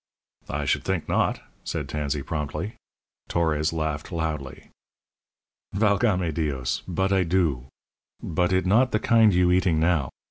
"I should think not," said Tansey, promptly. Torres laughed loudly. "Valgame Dios! but I do. But it not the kind you eating now.